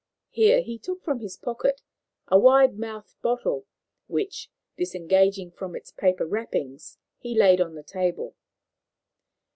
Here he took from his pocket a wide mouthed bottle, which, disengaging from its paper wrappings, he laid on the table.